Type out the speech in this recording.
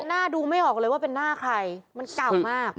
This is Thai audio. หน้าดูไม่ออกเลยว่าเป็นหน้าใครมันเก่ามาก